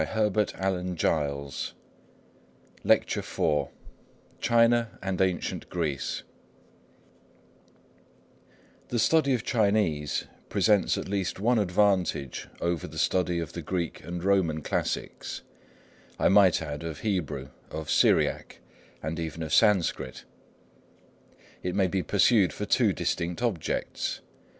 LECTURE IV CHINA AND ANCIENT GREECE CHINA AND ANCIENT GREECE The study of Chinese presents at least one advantage over the study of the Greek and Roman classics; I might add, of Hebrew, of Syriac, and even of Sanskrit. It may be pursued for two distinct objects.